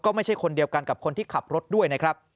ไม่ใช่คนเดียวกันกับคนที่ขับรถด้วยนะครับ